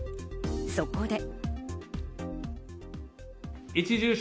そこで。